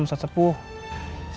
saya sangat keberatan